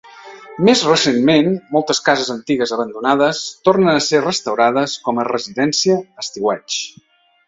Més recentment, moltes cases antigues abandonades tornen a ser restaurades com a residència estiueig.